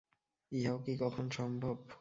ইহাও কি কখন সম্ভব!